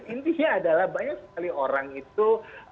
intinya adalah banyak sekali orang itu